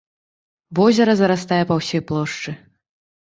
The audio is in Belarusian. Возера зарастае па ўсёй плошчы.